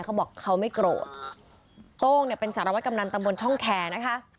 เขาบอกเขาไม่โกรธโต้งเนี่ยเป็นสารวัตกำนันตำบลช่องแคร์นะคะ